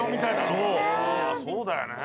そうだよね。